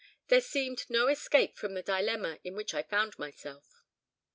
There seemed no escape from the dilemma in which I found myself.